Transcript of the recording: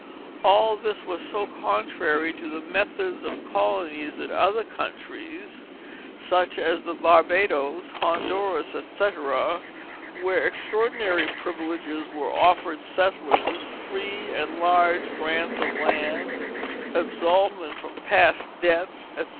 All this was so contrary to the methods of colonies in other countries, such as the Barbadoes, Honduras, etc., where extraordinary privileges were offered settlers, free and large grants of land, absolvment from past debts, etc.